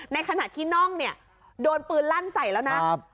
ในขณะที่น่องเนี่ยโดนปืนลั่นใส่แล้วนะ